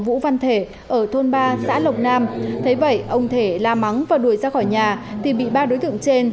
vũ văn thể ở thôn ba xã lộc nam thấy vậy ông thể la mắng và đuổi ra khỏi nhà thì bị ba đối tượng trên